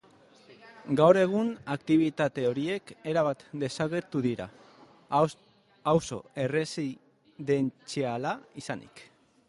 Gaur egun aktibitate horiek erabat desagertu dira, auzo erresidentziala izanik.